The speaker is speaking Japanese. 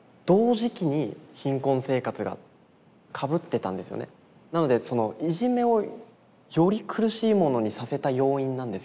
まあなのでなのでいじめをより苦しいものにさせた要因なんですよ